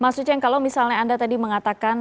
maksudnya kalau misalnya anda tadi mengatakan